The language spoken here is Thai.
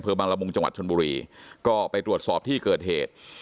บังละมุงจังหวัดชนบุรีก็ไปตรวจสอบที่เกิดเหตุ